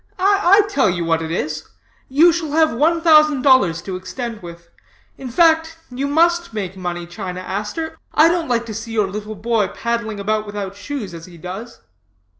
I tell you what it is, you shall have one thousand dollars to extend with. In fact, you must make money, China Aster. I don't like to see your little boy paddling about without shoes, as he does.'